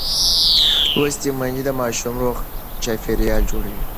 لوستې میندې د ماشوم روغ چاپېریال جوړوي.